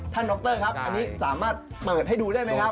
ดรครับอันนี้สามารถเปิดให้ดูได้ไหมครับ